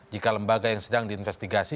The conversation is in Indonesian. jika lembaga yang sedang diinvestigasi